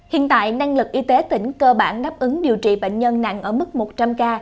hiện tại năng lực y tế tỉnh cơ bản đáp ứng điều trị bệnh nhân nặng ở mức một trăm linh ca